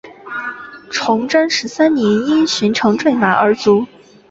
崇祯十三年因巡城坠马而卒。